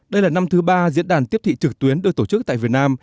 đây là năm thứ ba diễn đàn tiếp thị trực tuyến được tổ chức tại việt nam